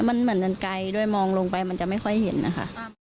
มันเหมือนมันไกลด้วยมองลงไปมันจะไม่ค่อยเห็นนะคะ